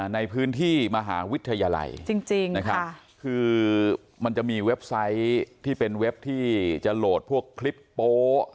ในพื้นที่มหาวิทยาลัยจริงนะครับคือมันจะมีเว็บไซต์ที่เป็นเว็บที่จะโหลดพวกคลิปโป๊ะ